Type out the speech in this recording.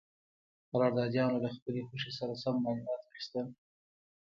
قراردادیانو له خپلې خوښې سره سم مالیات اخیستل.